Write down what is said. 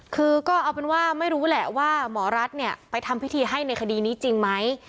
คือก็เอาเป็นว่าไม่รู้แหละว่าหมอรัฐเนี่ยไปทำพิธีให้ในคดีนี้จริงไหม